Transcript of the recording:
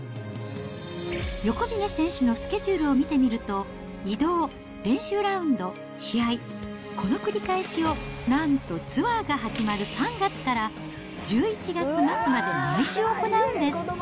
横峯選手のスケジュールを見てみると、移動、練習ラウンド、試合、この繰り返しをなんとツアーが始まる３月から１１月末まで毎週行うんです。